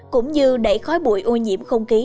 cũng như đẩy khói bụi ô nhiễm không khí